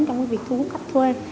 trong việc thu hút khách thuê